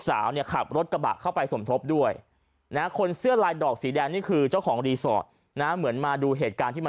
สาวเนี่ยขับรถกระบะเข้าไปสมทบด้วยนะคนเสื้อลายดอกสีแดงนี่คือเจ้าของรีสอร์ทนะเหมือนมาดูเหตุการณ์ที่มัน